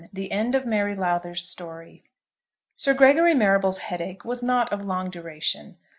THE END OF MARY LOWTHER'S STORY. Sir Gregory Marrable's headache was not of long duration.